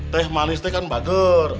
teeh manis teeh kan bager